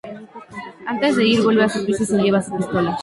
Antes de ir, vuelve a su piso, y se lleva su pistola.